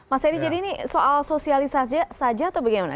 mas edi jadi ini soal sosialisasi saja atau bagaimana